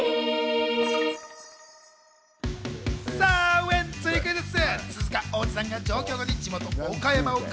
ウエンツにクイズッス！